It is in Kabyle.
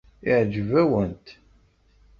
Yeɛjeb-awent?